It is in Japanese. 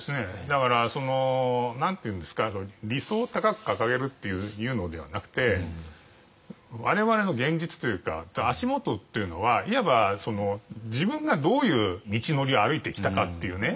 だから何て言うんですか理想を高く掲げるっていうのではなくて我々の現実というか足元というのはいわば自分がどういう道のりを歩いてきたかっていうね